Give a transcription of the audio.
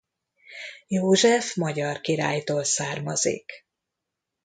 József magyar királytól származik.